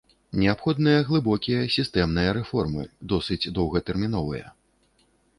Неабходныя глыбокія, сістэмныя рэформы, досыць доўгатэрміновыя.